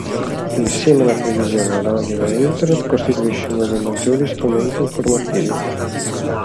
Insieme alla televisione, alla radio e a internet costituisce uno dei maggiori strumenti informativi.